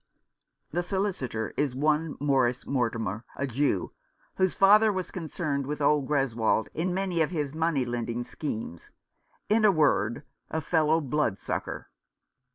The solicitor is one Morris Mortimer, a Jew, whose father was concerned with old Greswold in many of his money lending schemes — in a word, 206 Mr. Faunce continues. a fellow blood sucker.